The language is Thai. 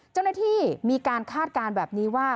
เจ้าหน้าที่มีการคาดการณ์แบบนี้ว่า